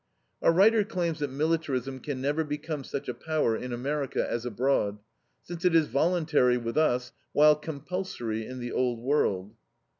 Our writer claims that militarism can never become such a power in America as abroad, since it is voluntary with us, while compulsory in the Old World.